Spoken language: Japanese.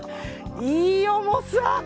いい重さ！